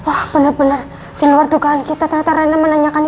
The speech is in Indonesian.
aduh aduh uh untung bos percaya bener bener keluar dugaan kita ternyata rina menanyakan